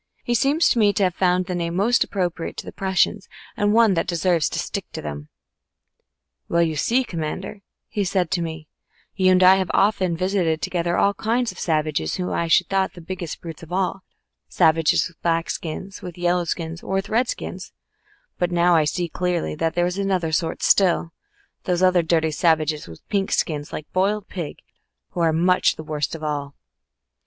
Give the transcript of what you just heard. He seems to me to have found the name most appropriate to the Prussians and one that deserves to stick to them. "Well you see, Commander," he said to me, "you and I have often visited together all kinds of savages whom I should have thought the biggest brutes of all, savages with black skins, with yellow skins, or with red skins, but I now see clearly that there is another sort still those other dirty savages with pink skins like boiled pig, who are much the worst of all."